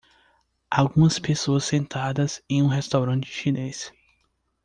Algumas pessoas sentadas em um restaurante chinês